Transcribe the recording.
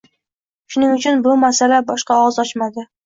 Shuning uchun bu masalada boshqa og`iz ochmadi